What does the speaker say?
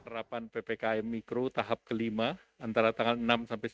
rapan ppkm mikro tahap ke lima antara tanggal enam sampai sembilan belas